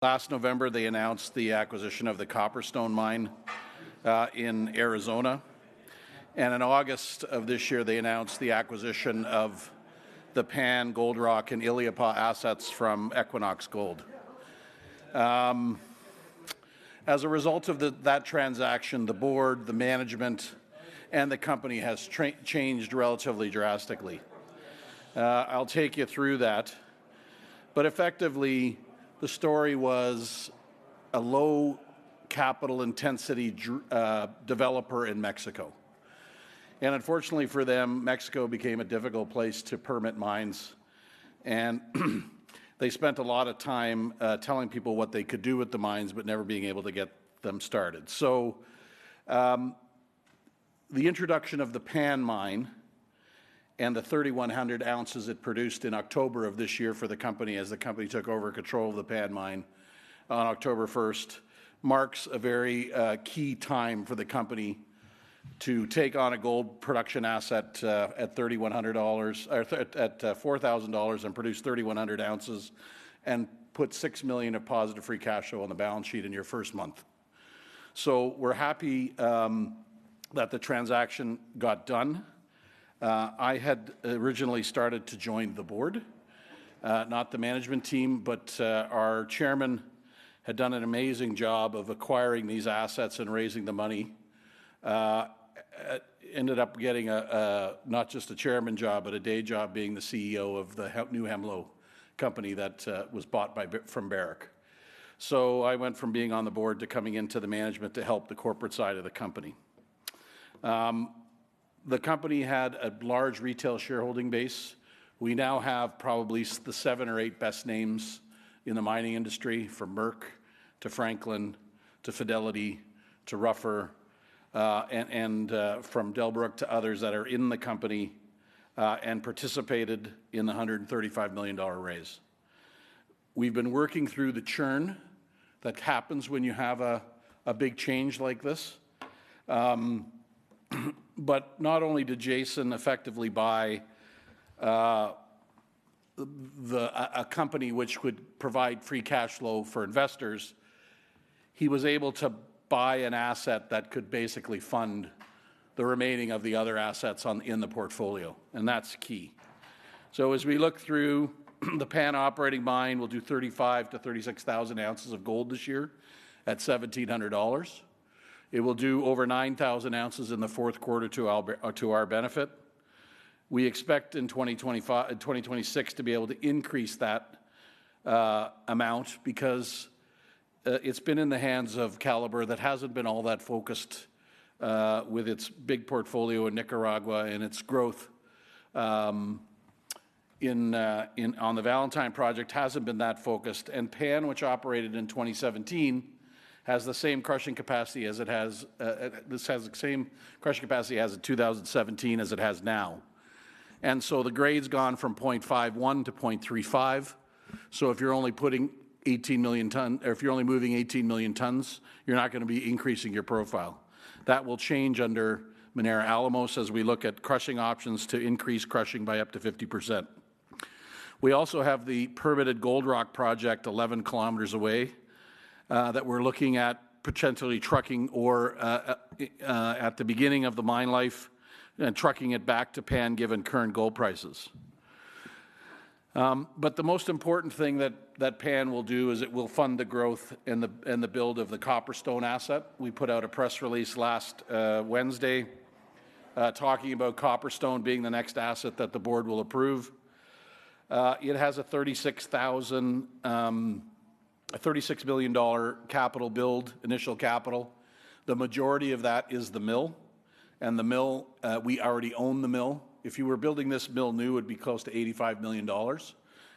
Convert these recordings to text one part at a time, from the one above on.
Last November, they announced the acquisition of the Copperstone mine in Arizona. In August of this year, they announced the acquisition of the Pan, Gold Rock, and Illipah assets from Equinox Gold. As a result of that transaction, the board, the management, and the company has changed relatively drastically. I'll take you through that. Effectively, the story was a low capital intensity developer in Mexico. Unfortunately for them, Mexico became a difficult place to permit mines, and they spent a lot of time telling people what they could do with the mines, but never being able to get them started. The introduction of the Pan Mine and the 3,100 ounces it produced in October of this year for the company as the company took over control of the Pan Mine on October 1 marks a very key time for the company to take on a gold production asset at $3,100 or at $4,000 and produce 3,100 ounces and put $6 million of positive free cash flow on the balance sheet in your first month. We're happy that the transaction got done. I had originally started to join the board, not the management team, but our chairman had done an amazing job of acquiring these assets and raising the money. I ended up getting a not just a chairman job, but a day job being the CEO of the new Hemlo company that was bought from Barrick. I went from being on the board to coming into the management to help the corporate side of the company. The company had a large retail shareholding base. We now have probably the seven or eight best names in the mining industry from Merck to Franklin to Fidelity to Ruffer, and from Delbrook to others that are in the company, and participated in the $135 million raise. We've been working through the churn that happens when you have a big change like this. Not only did Jason effectively buy the. A company which would provide free cash flow for investors, he was able to buy an asset that could basically fund the remaining of the other assets in the portfolio, and that's key. As we look through the Pan operating mine, we'll do 35,000-36,000 ounces of gold this year at $1,700. It will do over 9,000 ounces in the fourth quarter to our benefit. We expect in 2026 to be able to increase that amount because it's been in the hands of Calibre that hasn't been all that focused with its big portfolio in Nicaragua and its growth in on the Valentine project, hasn't been that focused. Pan, which operated in 2017, has the same crushing capacity as in 2017 as it has now. The grade's gone from 0.51 to 0.35. If you're only moving 18 million tons, you're not gonna be increasing your profile. That will change under Minera Alamos as we look at crushing options to increase crushing by up to 50%. We also have the permitted Gold Rock project 11 km away that we're looking at potentially trucking ore at the beginning of the mine life and trucking it back to Pan given current gold prices. The most important thing that Pan will do is it will fund the growth and the build of the Copperstone asset. We put out a press release last Wednesday talking about Copperstone being the next asset that the board will approve. It has a $36 million capital build, initial capital. The majority of that is the mill, and the mill we already own the mill. If you were building this mill new, it'd be close to $85 million.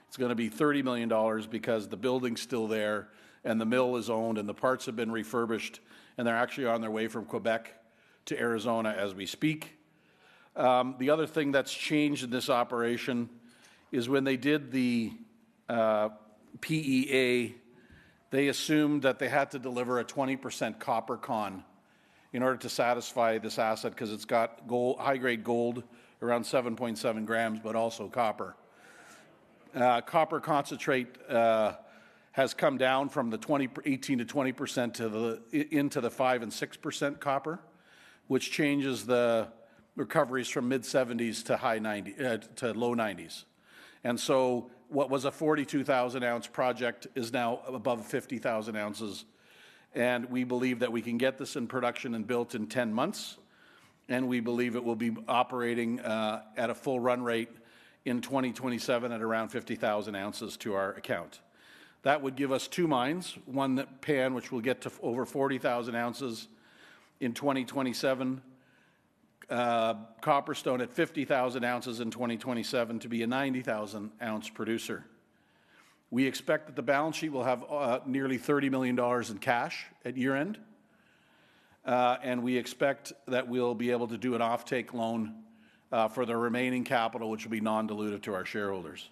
It's gonna be $30 million because the building's still there, and the mill is owned, and the parts have been refurbished, and they're actually on their way from Quebec to Arizona as we speak. The other thing that's changed in this operation is when they did the PEA, they assumed that they had to deliver a 20% copper con in order to satisfy this asset because it's got gold, high-grade gold, around 7.7 grams, but also copper. Copper concentrate has come down from 18%-20% to the 5%-6% copper, which changes the recoveries from mid-70s to high 90s. What was a 42,000-ounce project is now above 50,000 ounces, and we believe that we can get this in production and built in 10 months, and we believe it will be operating at a full run rate in 2027 at around 50,000 ounces to our account. That would give us two mines, one that Pan, which will get to over 40,000 ounces in 2027, Copperstone at 50,000 ounces in 2027 to be a 90,000 ounce producer. We expect that the balance sheet will have nearly $30 million in cash at year-end, and we expect that we'll be able to do an offtake loan for the remaining capital, which will be non-dilutive to our shareholders.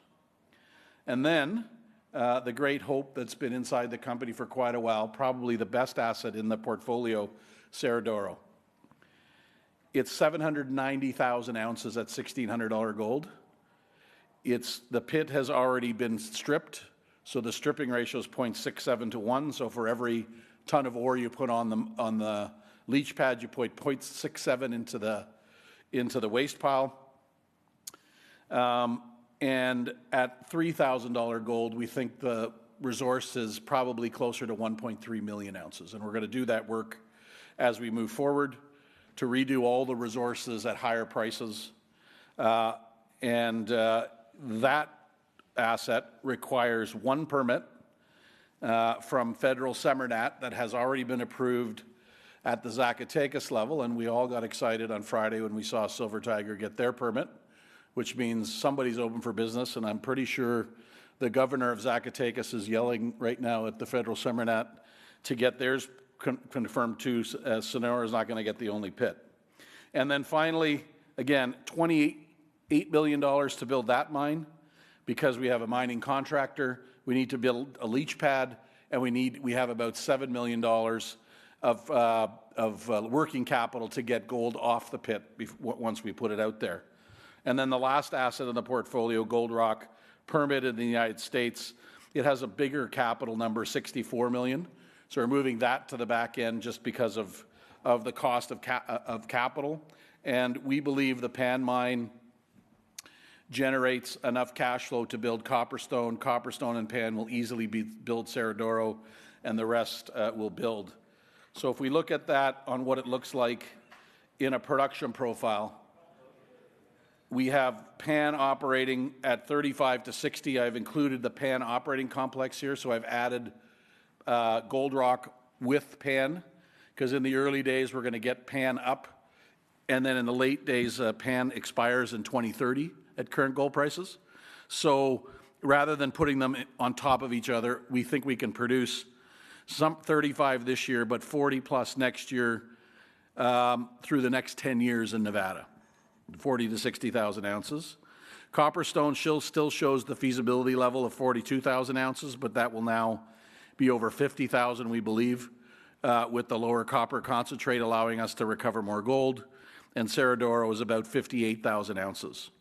The great hope that's been inside the company for quite a while, probably the best asset in the portfolio, Cerro de Oro. It's 790,000 ounces at $1,600 gold. The pit has already been stripped, so the stripping ratio is 0.67 to 1. For every ton of ore you put on the leach pad, you put 0.67 into the waste pile. At $3,000 gold, we think the resource is probably closer to 1.3 million ounces, and we're gonna do that work as we move forward to redo all the resources at higher prices. That asset requires 1 permit from Federal SEMARNAT that has already been approved at the Zacatecas level, and we all got excited on Friday when we saw Silver Tiger get their permit, which means somebody's open for business, and I'm pretty sure the governor of Zacatecas is yelling right now at the Federal SEMARNAT to get theirs confirmed too. Sonora is not gonna get the only pit. Then finally, again, $28 million to build that mine because we have a mining contractor. We need to build a leach pad, and we need we have about $7 million of working capital to get gold off the pit once we put it out there. Then the last asset in the portfolio, Gold Rock, permitted in the United States. It has a bigger capital number, $64 million, so we're moving that to the back end just because of the cost of capital. We believe the Pan Mine generates enough cash flow to build Copperstone. Copperstone and Pan will easily build Cerro de Oro, and the rest will build. If we look at what it looks like in a production profile, we have Pan operating at 35-60. I've included the Pan operating complex here, so I've added Gold Rock with Pan, 'cause in the early days we're gonna get Pan up, and then in the late days, Pan expires in 2030 at current gold prices. Rather than putting them on top of each other, we think we can produce some 35 this year, but 40+ next year, through the next 10 years in Nevada, 40,000-60,000 ounces. Copperstone still shows the feasibility level of 42,000 ounces, but that will now be over 50,000, we believe, with the lower copper concentrate allowing us to recover more gold. Cerro de Oro is about 58,000 ounces.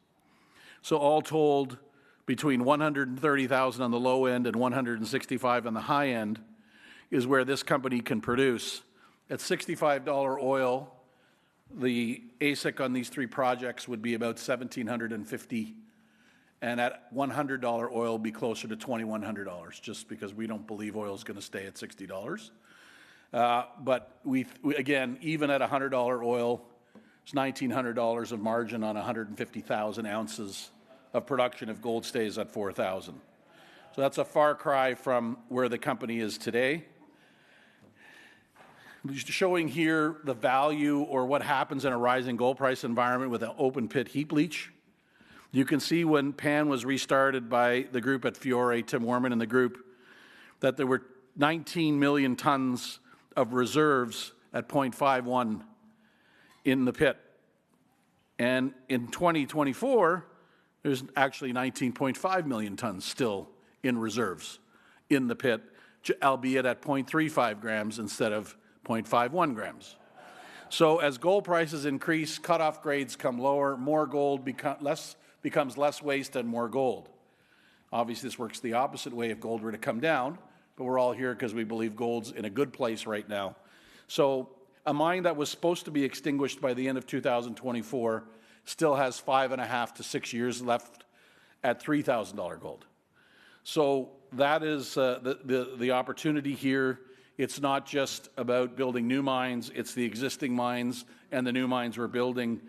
All told, between 130,000 on the low end and 165,000 on the high end is where this company can produce. At $65 oil, the AISC on these three projects would be about $1,750, and at $100 oil, it'd be closer to $2,100 just because we don't believe oil's gonna stay at $60. Again, even at $100 oil, it's $1,900 of margin on 150,000 ounces of production if gold stays at $4,000. That's a far cry from where the company is today. Just showing here the value or what happens in a rising gold price environment with an open-pit heap leach. You can see when Pan was restarted by the group at Fiore, Tim Warman and the group, that there were 19 million tons of reserves at 0.51 in the pit. In 2024, there's actually 19.5 million tons still in reserves in the pit, albeit at 0.35 grams instead of 0.51 grams. As gold prices increase, cutoff grades come lower, more gold becomes less waste and more gold. Obviously, this works the opposite way if gold were to come down, but we're all here because we believe gold's in a good place right now. A mine that was supposed to be extinguished by the end of 2024 still has 5.5-6 years left at $3,000 gold. That is the opportunity here. It's not just about building new mines, it's the existing mines and the new mines we're building,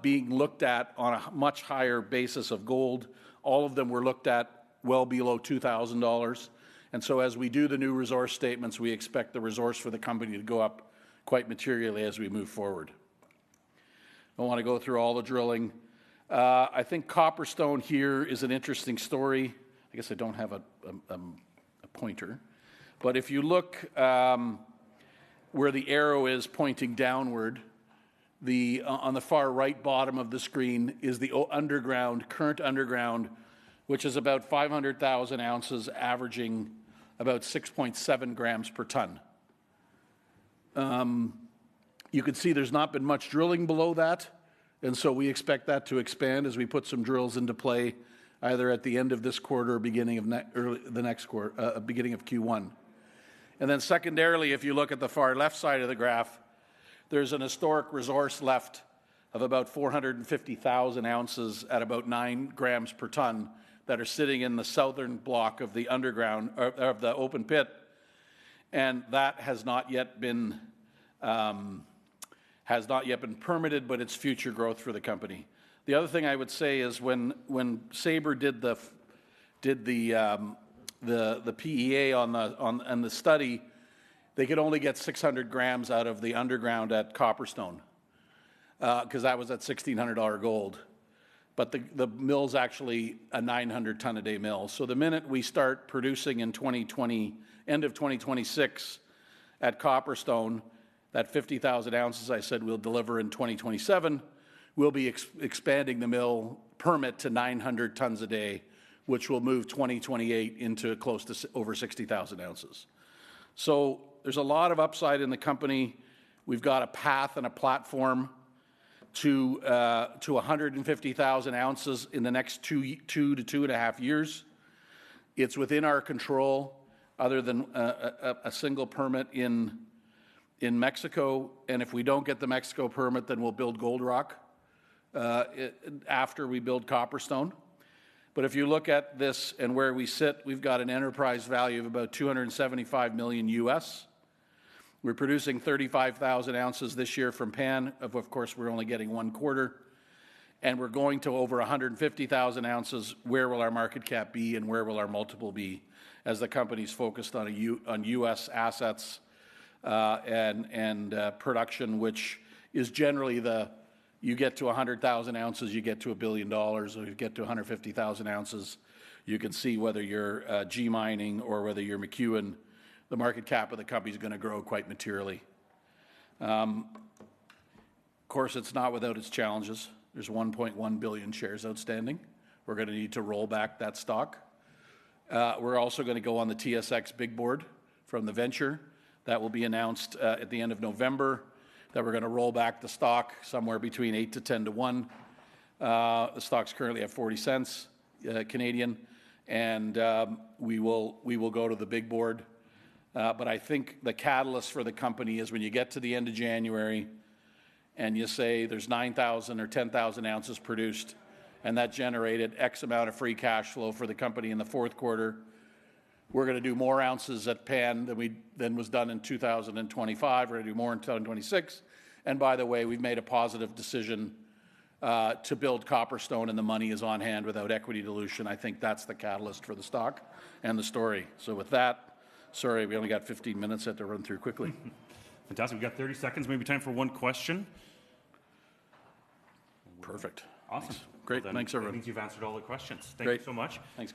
being looked at on a much higher basis of gold. All of them were looked at well below $2,000. As we do the new resource statements, we expect the resource for the company to go up quite materially as we move forward. I don't wanna go through all the drilling. I think Copperstone here is an interesting story. I guess I don't have a pointer. If you look where the arrow is pointing downward, the one on the far right bottom of the screen is the current underground, which is about 500,000 ounces averaging about 6.7 grams per ton. You can see there's not been much drilling below that, we expect that to expand as we put some drills into play either at the end of this quarter or beginning of Q1. Secondarily, if you look at the far left side of the graph, there's an historic resource left of about 450,000 ounces at about 9 grams per ton that are sitting in the southern block of the underground, or of the open pit, and that has not yet been permitted, but it's future growth for the company. The other thing I would say is when Saber did the PEA on the study, they could only get 600 grams out of the underground at Copperstone because that was at $1,600 gold. The mill's actually a 900-ton-a-day mill. The minute we start producing end of 2026 at Copperstone, that 50,000 ounces I said we'll deliver in 2027, we'll be expanding the mill permit to 900 tons a day, which will move 2028 into over 60,000 ounces. There's a lot of upside in the company. We've got a path and a platform to 150,000 ounces in the next two to two and a half years. It's within our control other than a single permit in Mexico, and if we don't get the Mexico permit, then we'll build Gold Rock after we build Copperstone. If you look at this and where we sit, we've got an enterprise value of about $275 million. We're producing 35,000 ounces this year from Pan. Of course, we're only getting one quarter, and we're going to over 150,000 ounces. Where will our market cap be and where will our multiple be as the company's focused on U.S. assets and production, which is generally you get to 100,000 ounces, you get to $1 billion, or you get to 150,000 ounces. You can see whether you're G Mining or whether you're McEwen, the market cap of the company's gonna grow quite materially. Of course, it's not without its challenges. There's 1.1 billion shares outstanding. We're gonna need to roll back that stock. We're also gonna go on the TSX big board from the venture. That will be announced at the end of November, that we're gonna roll back the stock somewhere between 8-to-1 and 10-to-1. The stock's currently at 0.40 Canadian, and we will go to the big board. I think the catalyst for the company is when you get to the end of January, and you say there's 9,000 or 10,000 ounces produced, and that generated X amount of free cash flow for the company in the fourth quarter. We're gonna do more ounces at Pan than was done in 2025. We're gonna do more in 2026. By the way, we've made a positive decision to build Copperstone and the money is on hand without equity dilution. I think that's the catalyst for the stock and the story. With that, sorry, we only got 15 minutes. Had to run through quickly. Fantastic. We've got 30 seconds, maybe time for one question. Perfect. Awesome. Great. Thanks, everyone. Well, then I think you've answered all the questions. Great. Thank you so much. Thanks, guys.